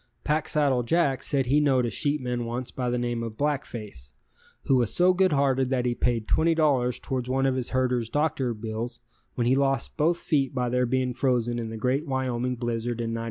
Packsaddle Jack said he knowed a sheepman once by the name of Black Face, who was so good hearted that he paid $20 towards one of his herder's doctor bill when he lost both feet by their being frozen in the great Wyoming blizzard in '94.